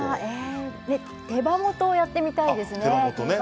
手羽元をやってみたいですね。